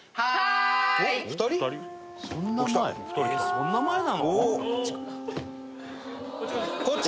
「そんな前なの？」